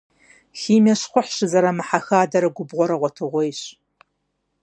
Химие щхъухь щызэрамыхьэ хадэрэ губгъуэрэ гъуэтыгъуейщ.